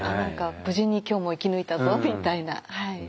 「無事に今日も生き抜いたぞ」みたいな。